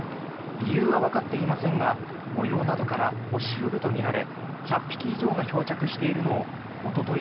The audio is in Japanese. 理由はわかっていませんが模様などからホシフグとみられ１００匹以上が漂着しているのをおととい